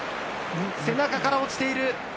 背中から落ちている。